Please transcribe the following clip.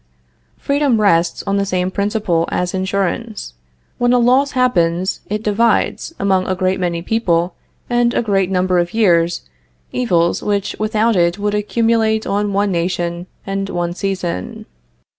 Freedom rests on the same principle as insurance. When a loss happens, it divides, among a great many people, and a great number of years, evils which without it would accumulate on one nation and one season.